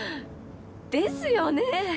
ですよね！